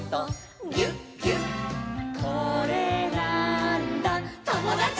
「これなーんだ『ともだち！』」